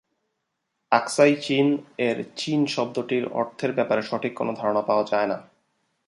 আকসাই চিন- এর "চিন" শব্দটির অর্থের ব্যাপারে সঠিক কোন ধারণা পাওয়া যায়না।